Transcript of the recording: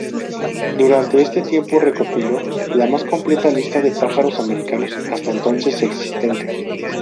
Durante este tiempo recopiló la más completa lista de pájaros americanos hasta entonces existente.